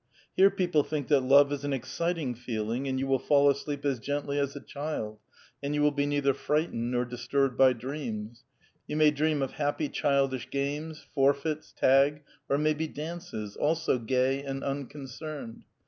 Here people think that love is an exciting feeling, and you will fall asleep as gently as a child, and you will be neither frightened nor disturbed by dreams ; you may dream of happy childish games, forfeits, tag, or maybe dances, also gay and unconcerned.